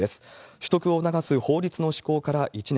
取得を促す法律の施行から１年。